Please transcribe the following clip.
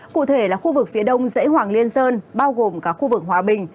cụ thể là khu vực phía đông dễ hoảng liên sơn bao gồm các khu vực hòa bình